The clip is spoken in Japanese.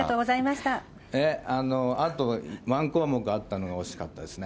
あと１項目あったのが、惜しかったですね。